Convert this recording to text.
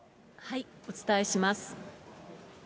お伝えします。